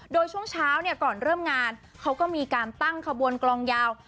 โดยช่วงเช้าก่อนเริ่มงานเขาก็มีการตั้งขบวนกลองยาว